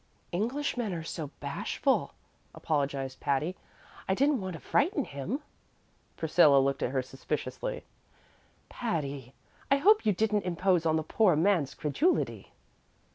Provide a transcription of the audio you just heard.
"Englishmen are so bashful," apologized Patty; "I didn't want to frighten him." Priscilla looked at her suspiciously. "Patty, I hope you didn't impose on the poor man's credulity."